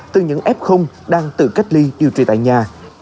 từ những f đang tự cách ly điều trị tại nhà